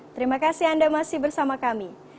terima kasih anda masih bersama kami